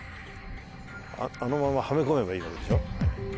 あのままはめ込めばいいわけでしょう。